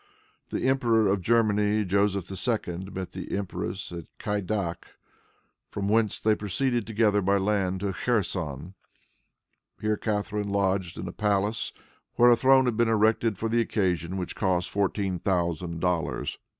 The Emperor of Germany, Joseph II., met the empress at Kaidak, from whence they proceeded together, by land, to Kherson. Here Catharine lodged in a palace where a throne had been erected for the occasion which cost fourteen thousand dollars.